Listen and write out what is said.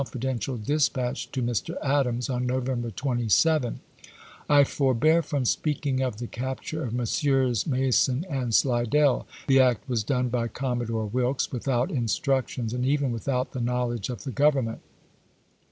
deiitial dispatch to Mr. Adams, on November 27 :" I forbear from speaking of the capture of Messrs. Mason and Slidell. The act was done by Commo dore "Wilkes without instructions, and even with out the knowledge of the Grovernment.